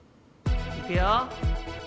いくよ。